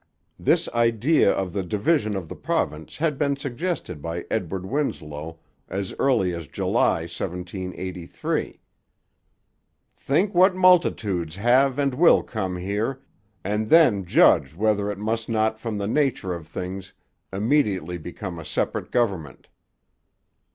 This idea of the division of the province had been suggested by Edward Winslow as early as July 1783: 'Think what multitudes have and will come here, and then judge whether it must not from the nature of things immediately become a separate government.'